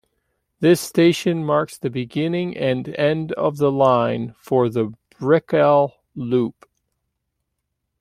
This station marks the beginning and end of the line for the Brickell loop.